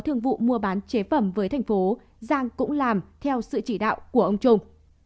thương vụ mua bán chế phẩm với thành phố giang cũng làm theo sự chỉ đạo của ông trung